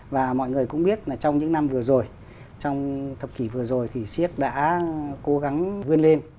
và mọi người cũng biết là trong những năm vừa rồi trong thập kỷ vừa rồi thì siếc đã cố gắng vươn lên